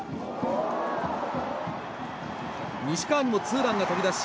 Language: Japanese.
西川のツーランが飛び出し